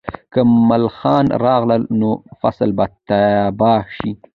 که ملخان راغلل، نو فصل به تباه شي.